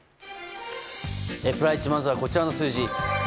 プライチまずはこちらの数字。